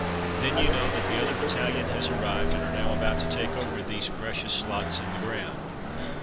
Then you know that the other battalion has arrived, and are now about to take over these precious slots in the ground.